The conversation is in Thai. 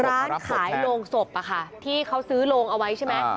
ร้านขายลงศพอ่ะที่เค้าซื้อลงเอาไว้ใช่มั้ย